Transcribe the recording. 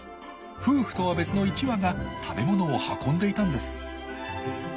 夫婦とは別の１羽が食べ物を運んでいたんです。